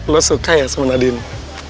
lo suka ya sama nadine